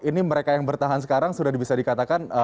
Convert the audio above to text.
ini mereka yang bertahan sekarang sudah bisa dikatakan